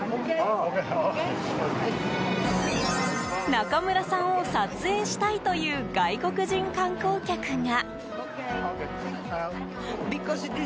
中村さんを撮影したいという外国人観光客が。